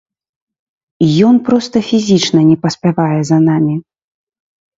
Ён проста фізічна не паспявае за намі.